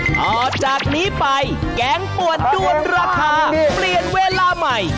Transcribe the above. ต่อจากนี้ไปแกงป่วนด้วนราคาเปลี่ยนเวลาใหม่